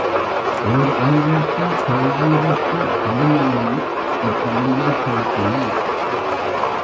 ஓர் ஆயிரத்து தொள்ளாயிரத்து பதினேழு இல் இப் பள்ளியைத் துவக்கினார்.